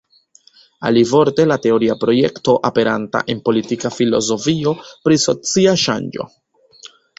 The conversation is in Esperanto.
Alivorte, la teoria projekto aperanta en Politika Filozofio pri Socia Ŝanĝo.